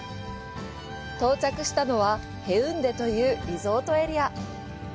到着したのはヘウンデというリゾートエリア。